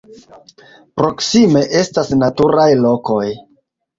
Proksime estas naturaj lokoj.